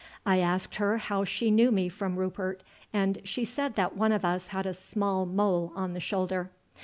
I asked her how she knew me from Rupert, and she said that one of us had a small mole on the shoulder.